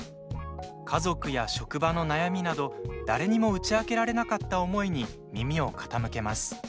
家族や職場の悩みなど誰にも打ち明けられなかった思いに耳を傾けます。